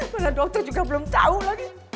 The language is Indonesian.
karena dokter juga belum tahu lagi